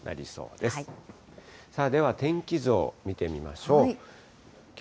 では天気図を見てみましょう。